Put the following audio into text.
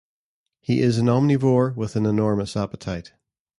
He is an omnivore with an enormous appetite.